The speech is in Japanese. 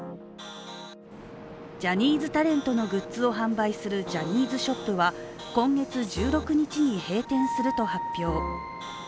ジャニーズタレントのグッズを販売するジャニーズショップは今月１６日に閉店すると発表。